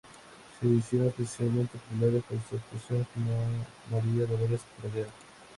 Se hicieron especialmente populares por sus actuaciones con María Dolores Pradera.